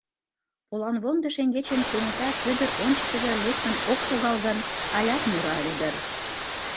Поланвондо шеҥгечын кенета Пӧдыр ончыкыжо лектын ок шогал гын, алят мура ыле дыр.